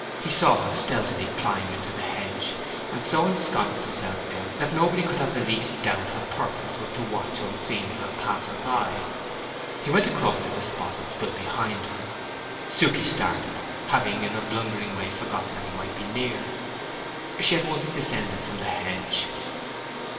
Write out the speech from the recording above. He saw her stealthily climb into the hedge, and so ensconce herself there that nobody could have the least doubt her purpose was to watch unseen for a passer by. He went across to the spot and stood behind her. Suke started, having in her blundering way forgotten that he might be near. She at once descended from the hedge.